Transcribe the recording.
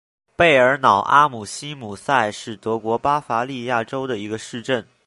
贝尔瑙阿姆希姆塞是德国巴伐利亚州的一个市镇。